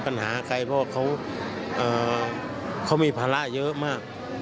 เพราะว่าเขามีภาระเยอะมาก